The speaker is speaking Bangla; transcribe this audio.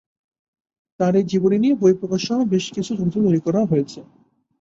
তার এই জীবনী নিয়ে বই প্রকাশ সহ বেশ কিছু চলচ্চিত্র তৈরি করা হয়েছে।